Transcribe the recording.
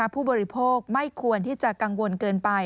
ผู้บริโภคไม่ควรที่จะกังวลเกินไป